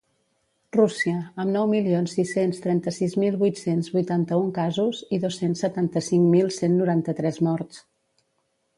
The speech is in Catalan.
Rússia, amb nou milions sis-cents trenta-sis mil vuit-cents vuitanta-un casos i dos-cents setanta-cinc mil cent noranta-tres morts.